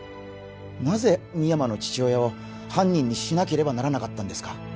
なぜ深山の父親を犯人にしなければならなかったんですか？